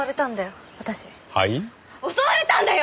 襲われたんだよ私。